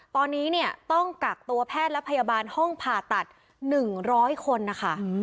ตอนนี้เนี่ยต้องกักตัวแพทย์และพยาบาลห้องผ่าตัด๑๐๐คนนะคะ